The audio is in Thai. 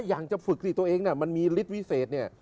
ถ้าอยากจะฝึกสิตัวเองมันมีฤทธิ์วิเศษ